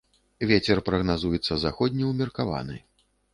Вецер прагназуецца заходні ўмеркаваны.